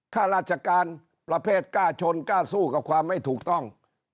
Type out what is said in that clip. ข้าราชการประเภทกล้าชนกล้าสู้กับความไม่ถูกต้อง